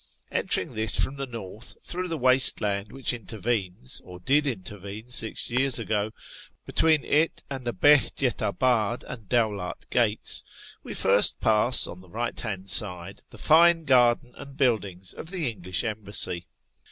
Entering this from the north through the waste land which intervenes (or did intervene six years ago) between it and the Behjetabad and Dawlat Gates, we first pass, on the right hand side, the fine garden and buildings of the English Embassy.